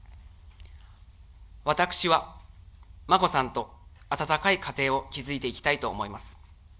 私は、眞子さんと温かい家庭を築いていきたいと思います。